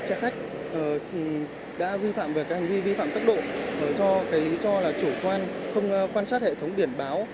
xe khách đã vi phạm về cái hành vi vi phạm tốc độ do cái lý do là chủ quan không quan sát hệ thống biển báo